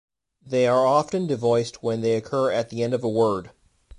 They are often devoiced when they occur at the end of a word.